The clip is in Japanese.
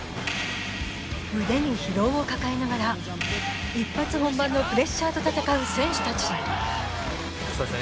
腕に疲労を抱えながら一発本番のプレッシャーと闘う選手達そうですね